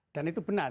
dan itu benar